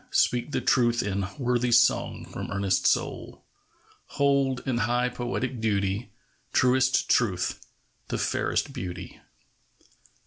speak the truth in Worthy song from earnest soul ! Hold, in high poetic duty, Truest Truth the fairest Beauty!